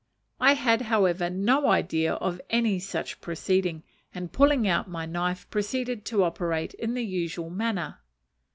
I had, however, no idea of any such proceeding; and, pulling out my knife, proceeded to operate in the usual manner.